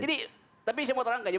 jadi tapi saya mau terangkan saja